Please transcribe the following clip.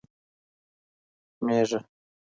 مېږه